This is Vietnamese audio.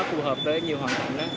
cù hợp với nhiều hoàn hảo